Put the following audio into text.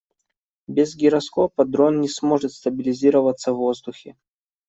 Без гироскопа дрон не сможет стабилизироваться в воздухе.